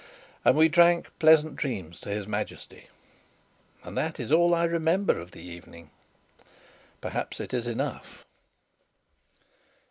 And we drank pleasant dreams to his Majesty and that is all I remember of the evening. Perhaps it is enough.